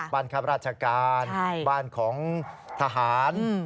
บ้านครับราชการบ้านของทหาร